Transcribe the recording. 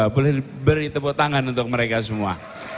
boleh beri tepuk tangan untuk mereka semua